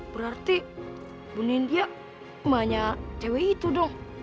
berarti bu nindya emahnya cewek itu dong